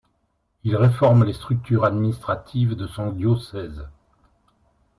Il réforme les structures administratives de son diocèse.